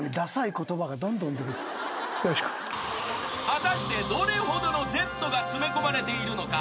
［果たしてどれほどのＺが詰め込まれているのか？］